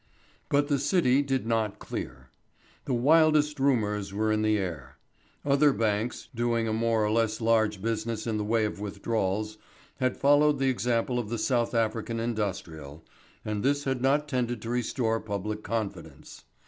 But the City did not clear. The wildest rumours were in the air. Other banks, doing a more or less large business in the way of withdrawals, had followed the example of the South African Industrial, and this had not tended to restore public confidence.